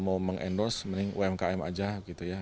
mau mengendorse mending umkm aja gitu ya